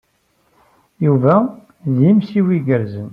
Yuba d imsewwi igerrzen.